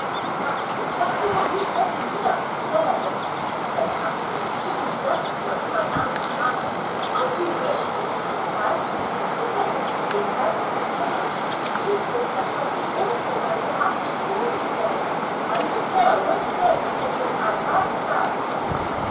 "That is exactly what you said to me upstairs," said Kathleen, driven desperate by Alice's manner. "I do wish you would speak out. Do get her to speak out, Mrs. Tennant. She hints at something awful going to happen at school to day. I declare I won't go if it is as bad as that."